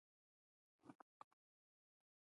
په بل سر کښې نور پګړۍ والا کسان پر چوکيو ناست وو.